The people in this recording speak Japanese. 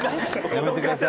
やめてください。